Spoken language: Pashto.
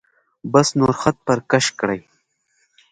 بس نور خط پر کش کړئ.